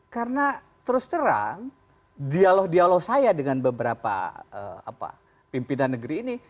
karena terus terang dialog dialog saya dengan beberapa pimpinan negeri ini